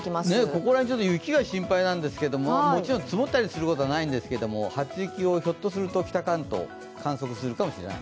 ここら辺、雪が心配なんですが、もちろん積もったりすることはないでしょうが、初雪、北関東、観測するかもしれない。